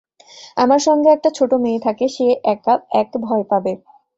আমার সঙ্গে একটা ছোট মেয়ে থাকে, সে এক ভয় পাবে।